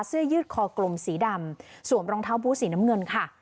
เสื้อยืดคอกลมสีดำสวมรองเท้าบูธสีน้ำเงินค่ะ